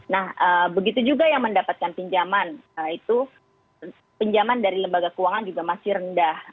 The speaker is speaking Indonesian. nah begitu juga yang mendapatkan pinjaman itu pinjaman dari lembaga keuangan juga masih rendah